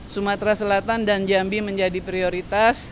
sumatera selatan dan jambi menjadi prioritas